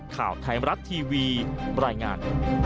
ข่าวไทยมรัฐทีวีบรรยายงาน